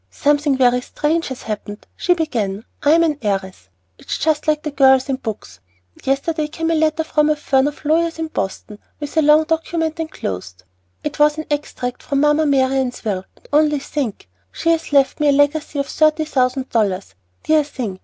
"Something very strange has happened," she began. "I am an heiress! It is just like the girls in books! Yesterday came a letter from a firm of lawyers in Boston with a long document enclosed. It was an extract from Mamma Marian's will; and only think, she has left me a legacy of thirty thousand dollars! Dear thing!